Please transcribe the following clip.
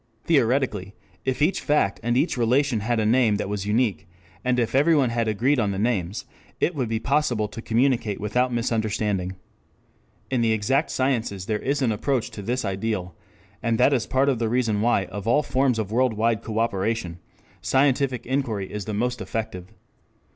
Theoretically, if each fact and each relation had a name that was unique, and if everyone had agreed on the names, it would be possible to communicate without misunderstanding. In the exact sciences there is an approach to this ideal, and that is part of the reason why of all forms of world wide cooperation, scientific inquiry is the most effective.